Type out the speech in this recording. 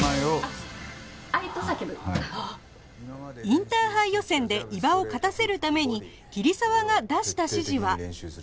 インターハイ予選で伊庭を勝たせるために桐沢が出した指示は